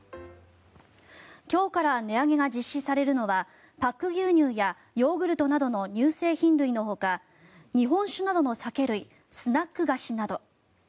今日から値上げが実施されるのはパック牛乳やヨーグルトなどの乳製品類のほか日本酒などの酒類スナック菓子など。